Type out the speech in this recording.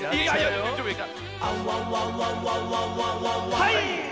はい！